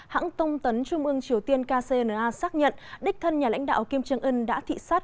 hãng tông tấn trung ương triều tiên kcna xác nhận đích thân nhà lãnh đạo kim trương ưn đã thị xát